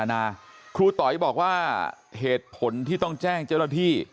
นาครูต๋อยบอกว่าเหตุผลที่ต้องแจ้งเจ้าหน้าที่